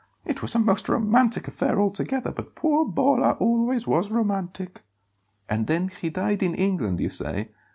It was a most romantic affair altogether, but poor Bolla always was romantic." "And then he died in England, you say?"